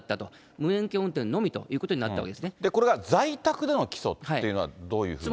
無免許運転のみということになっこれが在宅での起訴というのは、どういうことですか。